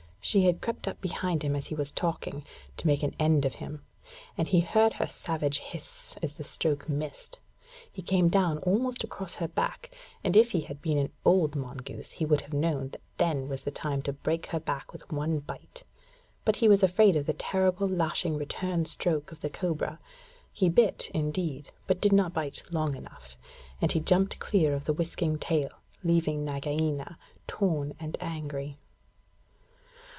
She had crept up behind him as he was talking, to make an end of him; and he heard her savage hiss as the stroke missed. He came down almost across her back, and if he had been an old mongoose he would have known that then was the time to break her back with one bite; but he was afraid of the terrible lashing return stroke of the cobra. He bit, indeed, but did not bite long enough, and he jumped clear of the whisking tail, leaving Nagaina torn and angry.